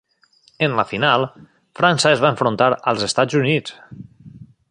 En la final, França es va enfrontar als Estats Units.